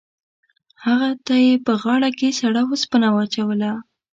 هغه ته یې په غاړه کې سړه اوسپنه واچوله.